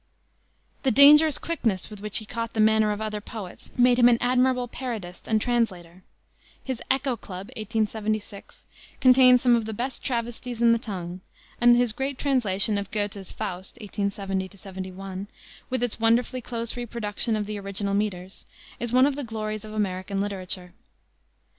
The dangerous quickness with which he caught the manner of other poets made him an admirable parodist and translator. His Echo Club, 1876, contains some of the best travesties in the tongue, and his great translation of Goethe's Faust, 1870 71 with its wonderfully close reproduction of the original meters is one of the glories of American literature.